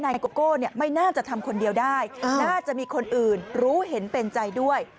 โกโก้ไม่น่าจะทำคนเดียวได้น่าจะมีคนอื่นรู้เห็นเป็นใจด้วย